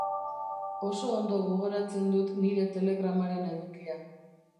Oso ondo gogoratzen dut nire telegramaren edukia.